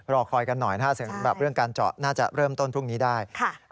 รอคอยกันหน่อยนะครับสำหรับเรื่องการเจาะน่าจะเริ่มต้นพรุ่งนี้ได้